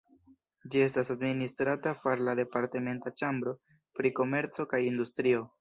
Ĝi estas administrata far la departementa Ĉambro pri komerco kaj industrio.